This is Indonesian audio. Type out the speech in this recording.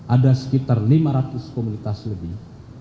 ada sekitar lima ratus komunitas lebih